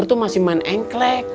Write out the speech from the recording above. itu masih main engklek